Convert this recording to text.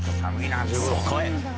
そこへ。